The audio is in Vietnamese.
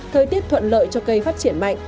thời tiết thuận lợi cho cây phát triển mạnh